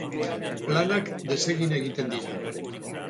Planak desegin egiten dira.